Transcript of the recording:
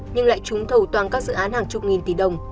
nhưng lại trúng thầu toàn các dự án hàng chục nghìn tỷ đồng